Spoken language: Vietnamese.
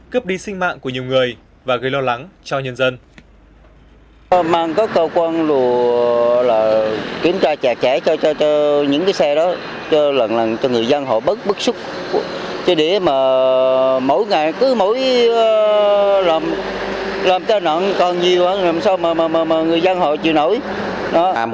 cướp đi sinh mạng của nhiều người và gây lo lắng cho nhân dân